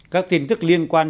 các tin tức liên quan